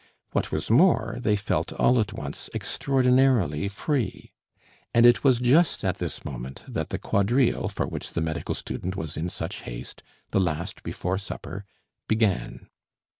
What was more, they felt all at once extraordinarily free. And it was just at this moment that the quadrille for which the medical student was in such haste, the last before supper, began.